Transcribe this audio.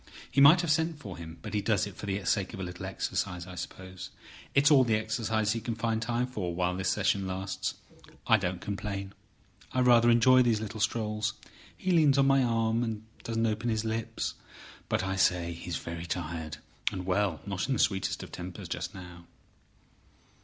He might have sent for him; but he does it for the sake of a little exercise, I suppose. It's all the exercise he can find time for while this session lasts. I don't complain; I rather enjoy these little strolls. He leans on my arm, and doesn't open his lips. But, I say, he's very tired, and—well—not in the sweetest of tempers just now."